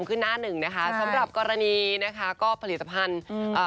ขึ้นหน้านึงนะคะสำหรับก็กรณึ่นะคะก็ผลิตภัณฑ์อืม